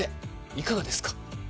いかがですか？